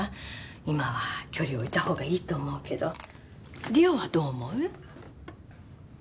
今は距離置いたほうがいいと思うけど梨央はどう思う？